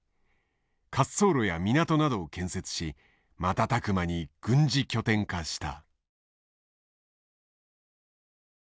滑走路や港などを建設し瞬く間に軍事拠点化した。